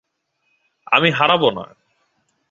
আমি হারাবো না।